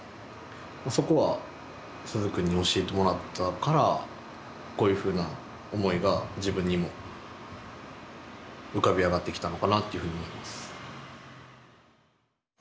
そこは鈴くんに教えてもらったからこういうふうな思いが自分にも浮かび上がってきたのかなっていうふうに思います。